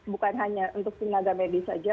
bukan hanya untuk tenaga medis saja